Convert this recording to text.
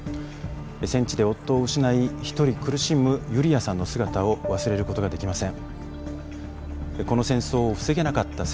戦地で夫を失い１人苦しむユリアさんの姿を忘れることができません。